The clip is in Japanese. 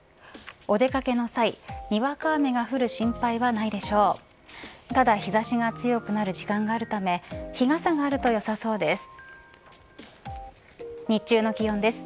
お出掛けの際、にわか雨が降る心配はないでしょうただ、日差しが強くなる時間があるため日傘があると良さそうです。